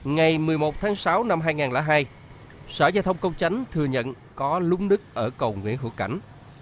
ngày một mươi một tháng sáu năm hai nghìn hai sở giao thông công chánh thừa nhận có lúng nứt ở cầu nguyễn hữu cảnh